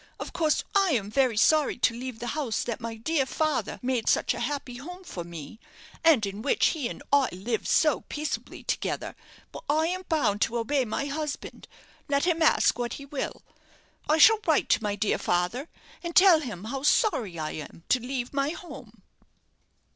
Of course, I am very sorry to leave the house that my dear father made such a happy home for me, and in which he and I lived so peaceably together; but I am bound to obey my husband, let him ask what he will. I shall write to my dear father, and tell him how sorry I am to leave my home.'"